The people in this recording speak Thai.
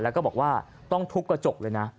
แล้วก็บอกว่าต้องทุบกระจกเลยนะ